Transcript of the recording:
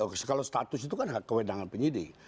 tapi tadi kalau status itu kan kewedangan penyidik